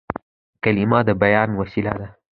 کلیمه د بیان وسیله ده.